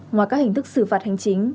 ngoài các hình thức xử phạt hành chính